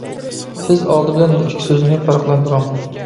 سىز ئالدى بىلەن بۇ ئىككى سۆزنى پەرقلەندۈرۈڭ.